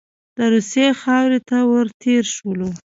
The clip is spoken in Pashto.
د روسیې خاورې ته ور تېر شولو.